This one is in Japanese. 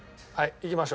いきましょう。